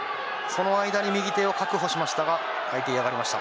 その間に右手を確保しました。